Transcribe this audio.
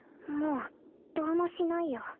もうどうもしないよ。